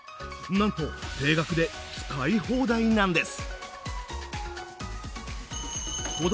なんと定額で使い放題なんです。